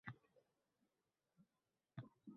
O’quvchilar chilyosin…